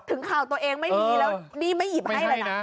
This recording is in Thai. ข่าวตัวเองไม่มีแล้วนี่ไม่หยิบให้เลยนะ